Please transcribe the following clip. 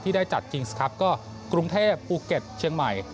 ที่ได้จัดกิงสครัพท์ก็กรุงเทพปูเก็ตเชียงใหม่